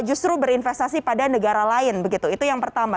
justru berinvestasi pada negara lain begitu itu yang pertama